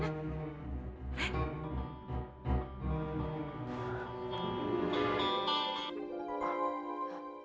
sayang maksudmu datang ke tempat kamu nih